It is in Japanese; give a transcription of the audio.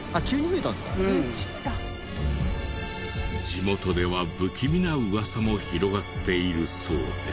地元では不気味な噂も広がっているそうで。